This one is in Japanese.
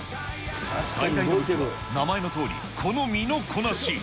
最大の武器は、名前のとおり、この身のこなし。